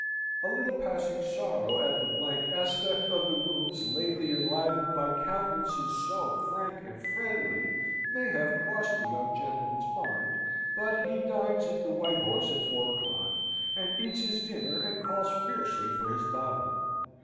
A little passing sorrow at the blank aspect of the rooms lately enlivened by countenances so frank and friendly, may have crossed the young gentleman's mind; but he dines at the White Horse at four o'clock, and eats his dinner and calls fiercely for his bottle.